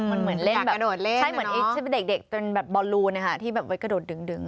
มันเหมือนเล่นแบบใช่เหมือนเด็กแต่มันแบบบอลลูนะครับที่แบบไว้กระโดดดึง